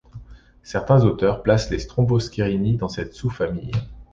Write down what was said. Certains auteurs placent les Stromboscerini dans cette sous-famille.